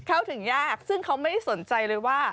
เข้าถึงยากซึ่งเขาไม่ได้สนใจเลยว่า